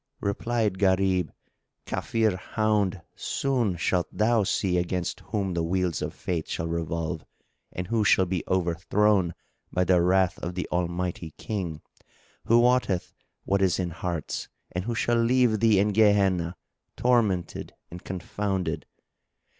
Replied Gharib, "Kafir hound! soon shalt thou see against whom the wheels of fate shall revolve and who shall be overthrown by the wrath of the Almighty King, Who wotteth what is in hearts and Who shall leave thee in Gehenna tormented and confounded!